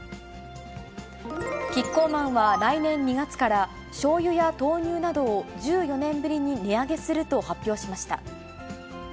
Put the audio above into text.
キッコーマンは来年２月から、しょうゆや豆乳などを１４年ぶりに値上げすると発表しました。